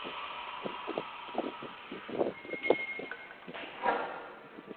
সাধারণত ডিসেম্বর মাসে বার্ষিক পরীক্ষা শেষে শিক্ষার্থীরা বেড়ানোসহ নানা ধরনের বিনোদন করে থাকে।